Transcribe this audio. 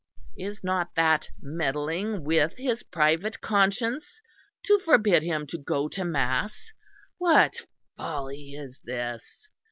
Is not that meddling with his private conscience to forbid him to go to mass? What folly is this?